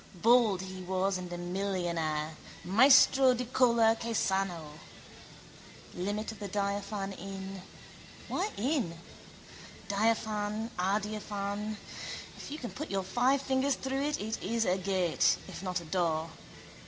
Bald he was and a millionaire, maestro di color che sanno. Limit of the diaphane in. Why in? Diaphane, adiaphane. If you can put your five fingers through it it is a gate, if not a door.